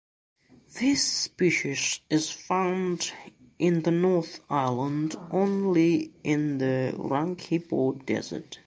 This species is found in the North Island only in the Rangipo Desert.